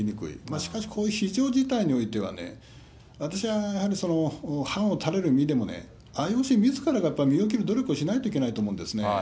しかし、こういう非常事態においては、私はやはり、範を垂れる身でもね、ＩＯＣみずからがやっぱり身を切る努力をしないといけないと思うんですね。